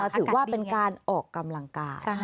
ถือว่าเป็นการออกกำลังกาย